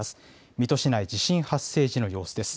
水戸市内、地震発生時の様子です。